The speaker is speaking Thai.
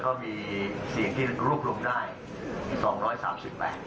ก็มีเสียงที่รูปลงได้๒๐๓๘นะครับ